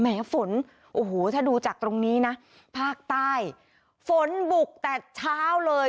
ฝนโอ้โหถ้าดูจากตรงนี้นะภาคใต้ฝนบุกแต่เช้าเลย